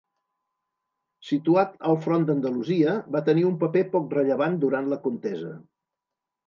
Situat al front d'Andalusia, va tenir un paper poc rellevant durant la contesa.